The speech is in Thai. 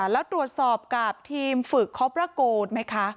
แล้วตรวจสอบกับทีมฝึกคอปประโกนไหมคะ